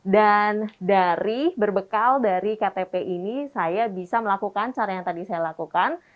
dari berbekal dari ktp ini saya bisa melakukan cara yang tadi saya lakukan